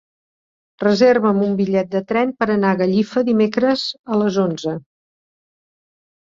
Reserva'm un bitllet de tren per anar a Gallifa dimecres a les onze.